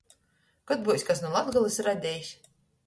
Kod byus kas nu Latgolys Radejis?